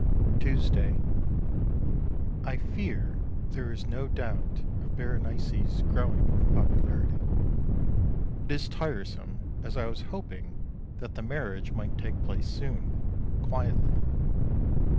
Tuesday. I fear there is no doubt of Berenice's growing unpopularity. It is tiresome, as I was hoping that the marriage might take place soon quietly.